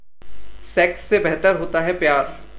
Sex से बेहतर होता है प्यार।